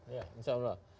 ya insya allah